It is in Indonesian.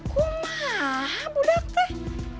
kumaha budak teh